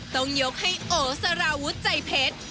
ต้องยกให้โอสารวุฒิใจเพชร